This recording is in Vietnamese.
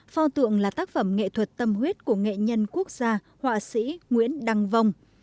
pho tượng là tác phẩm nghệ thuật tâm huyết của nghệ nhân quốc gia họa sĩ nguyễn đăng vong